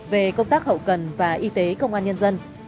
về công tác hậu cần và y tế công an nhân dân